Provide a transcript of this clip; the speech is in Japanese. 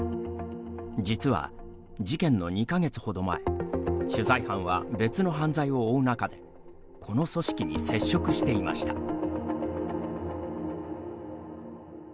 実は、事件の２か月ほど前取材班は別の犯罪を追う中でこの組織に接触していました。